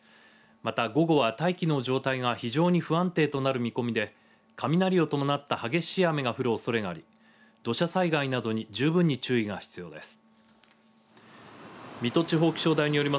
また午後は大気の状態が非常に不安定となる見込みで雷を伴った激しい雨が降るおそれがあり土砂災害などに十分に注意が必要です。